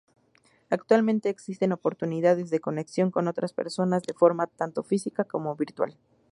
Actualmente existen oportunidades de conexión con otras personas de forma tanto física como virtual.